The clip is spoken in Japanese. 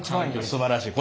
すばらしい！